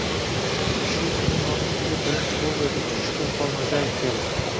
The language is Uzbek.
Shu kuni nonushtaga birinchi bo’lib yozuvchi Shukur Xolmirzayev keldi.